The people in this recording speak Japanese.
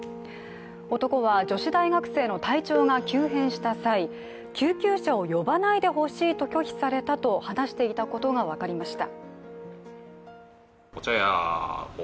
男は、女子大学生の体調が急変した際、救急車を呼ばないでほしいと拒否されたと話していたことが分かりました。